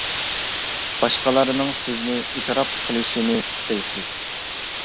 باشقىلارنىڭ (سىزنى) ئېتىراپ قىلىشىنى ئىستەيسىز.